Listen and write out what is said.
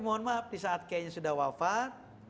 mohon maaf di saat kayaknya sudah wafat